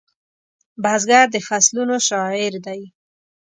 بزګر د فصلونو شاعر دی